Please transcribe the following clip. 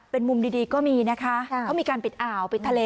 เป็นมุมดีก็มีนะคะเขามีการปิดอ่าวปิดทะเล